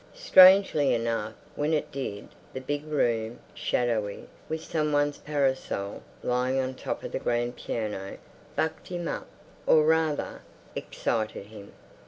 Strangely enough, when it did, the big room, shadowy, with some one's parasol lying on top of the grand piano, bucked him up—or rather, excited him.